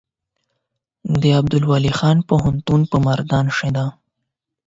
د عبدالولي خان پوهنتون په مردان کې دی